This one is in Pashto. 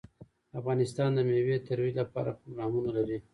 افغانستان د مېوې د ترویج لپاره پروګرامونه لري.